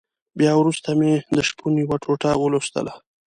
بيا وروسته مې د شپون يوه ټوټه ولوستله.